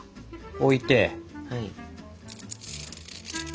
置いて。